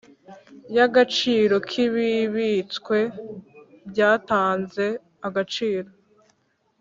Y agaciro k ibibitswe byatanze agaciro